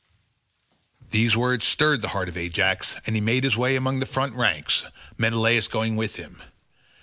These words stirred the heart of Ajax, and he made his way among the front ranks, Menelaus going with him.